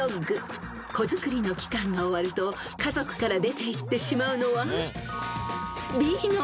［子作りの期間が終わると家族から出ていってしまうのは］